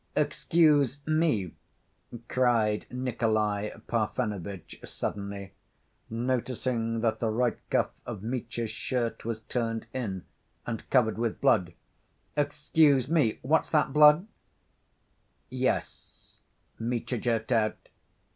"Excuse me," cried Nikolay Parfenovitch, suddenly, noticing that the right cuff of Mitya's shirt was turned in, and covered with blood, "excuse me, what's that, blood?" "Yes," Mitya jerked out.